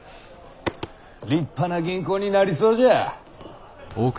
立派な銀行になりそうじゃ！